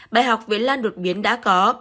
bài học viễn lan đột biến đã có